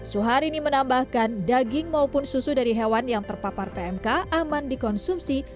suharini menambahkan daging maupun susu dari hewan yang terpapar pmk aman dikonsumsi